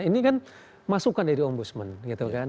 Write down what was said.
ini kan masukan dari ombudsman gitu kan